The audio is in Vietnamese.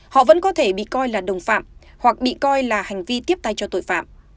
họ vẫn có thể bị coi là đồng phạm hoặc bị coi là hành vi tiếp tay cho tội phạm